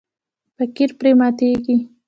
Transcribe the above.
فقیر پرې ماتیږي.